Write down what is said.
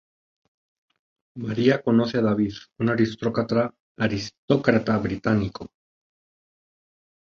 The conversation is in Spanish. María conoce a David, un aristócrata británico.